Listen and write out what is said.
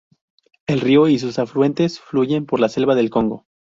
El río y sus afluentes fluyen por la selva del Congo.